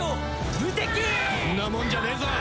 無敵！んなもんじゃねえぞ！